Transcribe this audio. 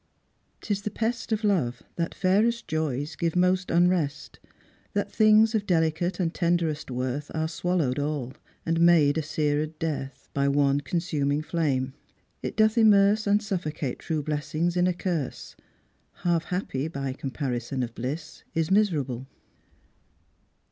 'Tis the pest Of love, that fairest joys give most unrest; That things of delicate and tenderest worth Are swallow'd all, and made a seared dearth. By one consuming flame : it doth immerse And suffocate true blessings in a curse. Half happy, by comparison of bliss, Is miserable."